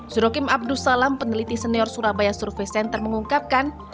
surokim abdus salam peneliti senior surabaya survey center mengungkapkan